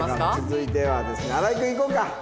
続いてはですね荒井くんいこうか。